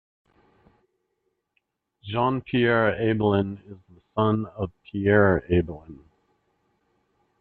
Jean-Pierre Abelin is the son of Pierre Abelin.